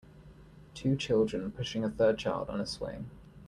Two children pushing a third child on a swing.